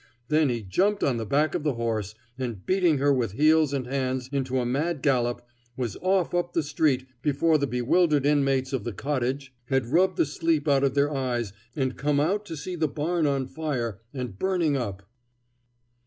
Then he jumped on the back of the horse, and beating her with heels and hands into a mad gallop, was off up the street before the bewildered inmates of the cottage had rubbed the sleep out of their eyes and come out to see the barn on fire and burning up.